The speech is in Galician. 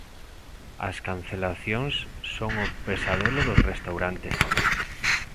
As cancelacións son o pesadelo dos restaurantes.